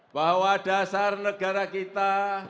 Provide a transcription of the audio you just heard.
bahwa dasar negara kita